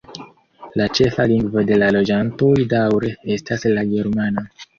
La ĉefa lingvo de la loĝantoj daŭre estas la germana.